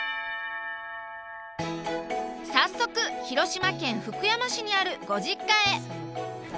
早速広島県福山市にあるご実家へ。